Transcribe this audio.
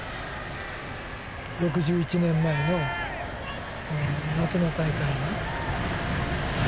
６１年前の夏の大会の。